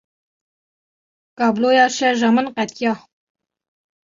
Kabloya şerja min qetiya.